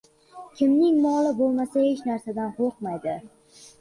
• Kimning moli bo‘lmasa, hech narsadan qo‘rqmaydi.